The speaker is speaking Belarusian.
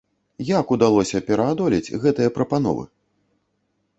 Як удалося пераадолець гэтыя прапановы?